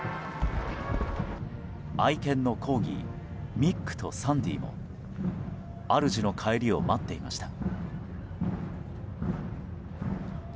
愛犬のコーギーミックとサンディーも主の帰りを待っていました。